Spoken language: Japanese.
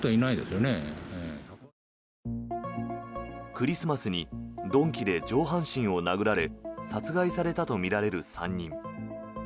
クリスマスに鈍器で上半身を殴られ殺害されたとみられる３人。